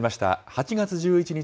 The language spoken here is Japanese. ８月１１日